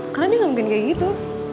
karena dia gak mungkin kayak gitu